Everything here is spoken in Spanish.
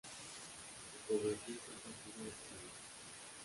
Su población siempre ha sido exigua.